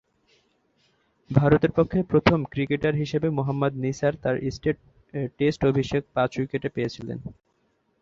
ভারতের পক্ষে প্রথম ক্রিকেটার হিসেবে মোহাম্মদ নিসার তার টেস্ট অভিষেকে পাঁচ-উইকেট পেয়েছিলেন।